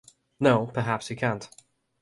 No, perhaps you can’t.